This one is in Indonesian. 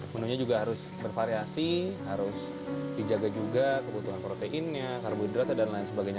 menunya juga harus bervariasi harus dijaga juga kebutuhan proteinnya karbohidratnya dan lain sebagainya